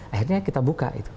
akhirnya kita buka itu